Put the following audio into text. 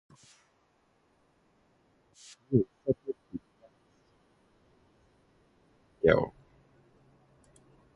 He is subject to doubts, fears and even guilt.